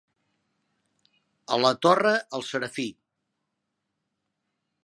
A la Torre, el serafí.